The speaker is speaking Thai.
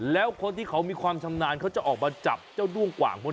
แล้วคนที่เขามีความชำนาญเขาจะออกมาจับเจ้าด้วงกว่างคนนี้